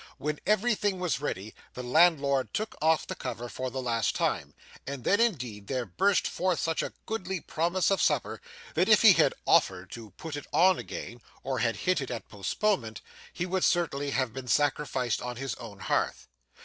When everything was ready, the landlord took off the cover for the last time, and then indeed there burst forth such a goodly promise of supper, that if he had offered to put it on again or had hinted at postponement, he would certainly have been sacrificed on his own hearth.